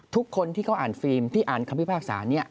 ทุกคนที่เขาอ่านฟิล์มที่อ่านคำพิพากษานี้